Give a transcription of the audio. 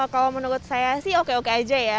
kalau menurut saya sih oke oke aja ya